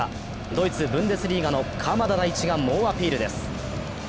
ドイツ・ブンデスリーガの鎌田大地が猛アピールです。